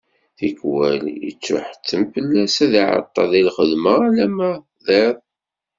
Tikkwal yettuḥettem fell-as ad iɛeṭṭel di lxedma alarma d iḍ.